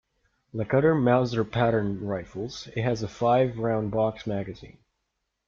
Like other Mauser pattern rifles, it has a five round box magazine.